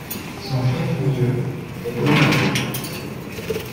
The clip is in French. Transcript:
Son chef-lieu est Domayo.